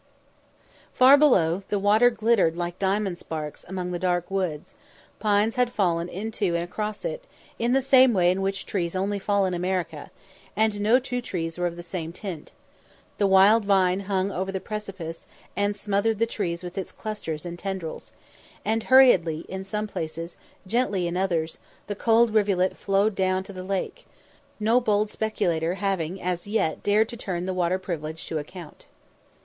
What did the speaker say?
Far below, the water glittered like diamond sparks among the dark woods; pines had fallen into and across it, in the way in which trees only fall in America, and no two trees were of the same tint; the wild vine hung over the precipice, and smothered the trees with its clusters and tendrils; and hurriedly in some places, gently in others, the cold rivulet flowed down to the lake, no bold speculator having as yet dared to turn the water privilege to account.